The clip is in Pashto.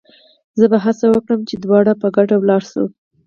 زه به هڅه وکړم چې دواړه په ګډه ولاړ شو.